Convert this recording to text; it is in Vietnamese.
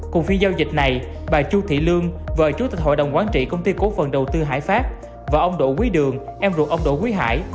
cùng phiên giao dịch này bà chu thị lương vợ chủ tịch hội đồng quán trị công ty cổ phần đầu tư hải pháp và ông đỗ quý đường em ruột ông đỗ quý hải